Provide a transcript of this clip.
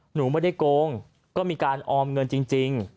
หนูไม่ได้โกงก็มีการออมเงินจริง